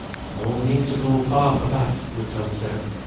"No need to go far for that," Withelm said.